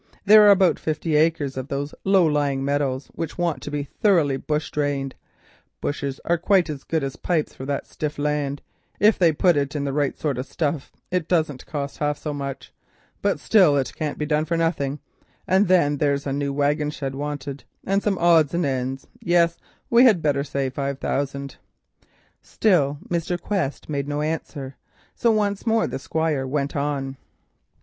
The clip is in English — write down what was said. There are about fifty acres of those low lying meadows which want to be thoroughly bush drained—bushes are quite as good as pipes for that stiff land, if they put in the right sort of stuff, and it don't cost half so much—but still it can't be done for nothing, and then there is a new wagon shed wanted, and some odds and ends; yes, we had better say five thousand." Still Mr. Quest made no answer, so once more the Squire went on.